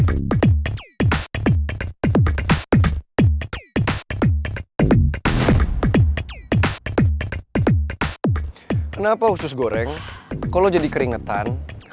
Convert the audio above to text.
kenapa usus goreng kalau jadi keringetan